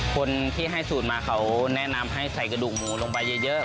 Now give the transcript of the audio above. คนที่ให้สูตรมาเขาแนะนำให้ใส่กระดูกหมูลงไปเยอะ